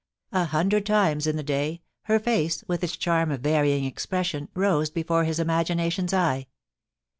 A hundred times in the day, her face, with its charm of varying expression, rose before his imagination's eye.